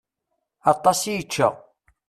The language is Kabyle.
Aṭas i yečča.